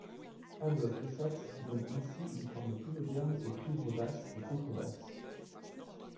Adolphe Sax donne ainsi une forme plus moderne aux cuivres basses et contrebasses.